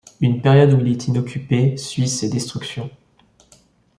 Une période où il est inoccupé suit ces destructions.